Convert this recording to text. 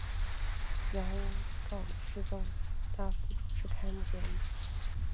杨屋道市政大厦主持开幕典礼。